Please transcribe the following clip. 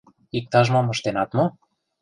— Иктаж-мом ыштенат мо?